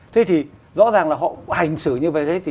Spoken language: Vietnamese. thế thì rõ ràng họ hành xử như vậy